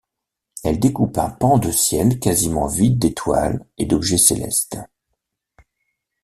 Elle découpe un pan de ciel quasiment vide d'étoiles et d'objets célestes.